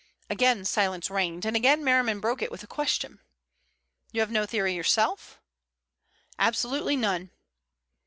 Again silence reigned, and again Merriman broke it with a question. "You have no theory yourself?" "Absolutely none."